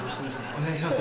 お願いします